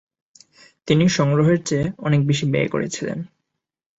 তিনি সংগ্রহের চেয়ে অনেক বেশি ব্যয় করেছিলেন।